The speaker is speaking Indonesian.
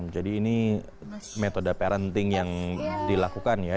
jadi ini metode parenting yang dilakukan ya